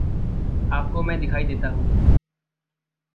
आपको मैं दिखाई देता हूँ।